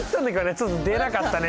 ちょっと出なかったね。